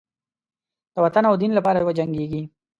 د وطن او دین لپاره وجنګیږي.